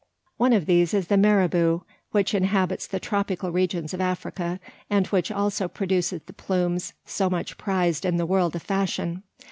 One of these is the marabou; which inhabits the tropical regions of Africa, and which also produces the plumes so much prized in the world of fashion.